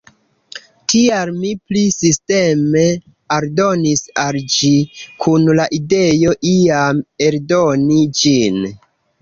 Tial mi pli sisteme aldonis al ĝi, kun la ideo iam eldoni ĝin.